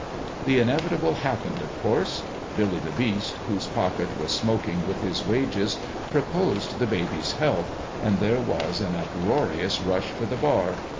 The inevitable happened, of course : Billy the Beast, whose pocket was smoking with his wages, proposed the baby's health, and there was an uproarious rush for the bar.